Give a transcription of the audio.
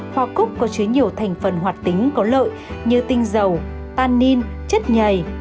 hoa cúc có chứa nhiều thành phần hoạt tính có lợi như tinh dầu tanin chất nhầy